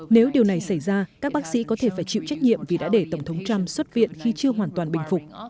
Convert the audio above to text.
nếu điều này xảy ra các bác sĩ có thể phải chịu trách nhiệm vì đã để tổng thống trump xuất viện khi chưa hoàn toàn bình phục